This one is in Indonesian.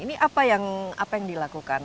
ini apa yang dilakukan